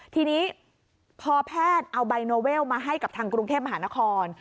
ทีนี้พอแพทย์เอาไบโนเวลมาให้กับทางกรุงเทพมหานคร